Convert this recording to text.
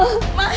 ada apa sih ini